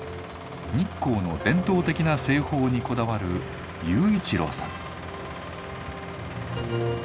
日光の伝統的な製法にこだわる雄一郎さん。